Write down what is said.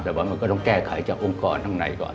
แต่ว่ามันก็ต้องแก้ไขจากองค์กรข้างในก่อน